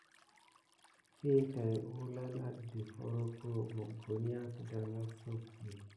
Kine tate wulane adef horko mokoni aka gudanla wusodi.